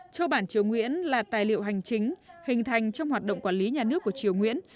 châu bản triều nguyễn là tài liệu hành chính hình thành trong hoạt động quản lý nhà nước của triều nguyễn